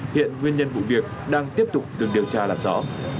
hiện nguyên nhân vụ việc đang tiếp tục được điều tra làm rõ